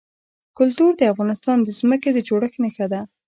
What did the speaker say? کلتور د افغانستان د ځمکې د جوړښت نښه ده.